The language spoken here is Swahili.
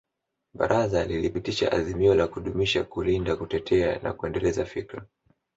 Baraza lilipitisha azimio la kudumisha kulinda kutetea na kuendeleza fikra